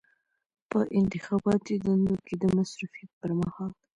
په انتخاباتي دندو کې د مصروفیت پر مهال.